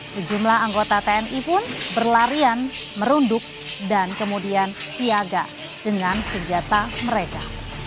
sejumlah anggota tni pun berlarian merunduk dan kemudian siaga dengan senjata mereka